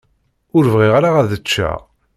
Ur bɣiɣ ara ad ččeɣ.